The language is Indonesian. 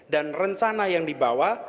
dan rencana yang dibawa